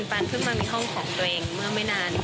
การขึ้นมาในห้องของตัวเองเมื่อไม่นาน